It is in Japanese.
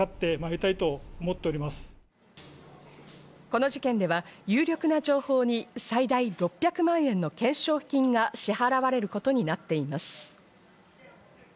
この事件では有力な情報に最大６００万円の懸賞金が支払われることになっています。